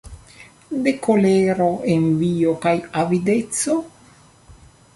De kolero, envio kaj avideco?